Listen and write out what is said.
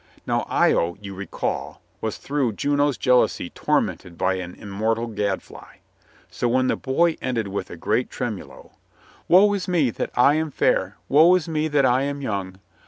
Now, lo, you recall, was through Juno's jealousy tormented by an immortal gadfly. So when the boy ended with a great tremolo : Woe is me that I am fair ! Woe is me that I am young!